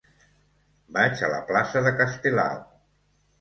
Vaig a la plaça de Castelao.